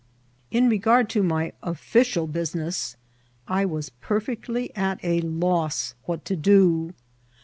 In regard to my official business I was perfectly at a loss what to do.